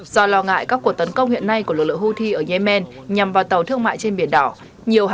do lo ngại các cuộc tấn công hiện nay của lực lượng houthi ở yemen nhằm vào tàu thương mại trên biển đỏ